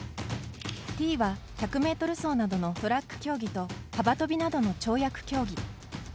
Ｔは、１００ｍ走などのトラック競技と幅跳びなどの跳躍競技。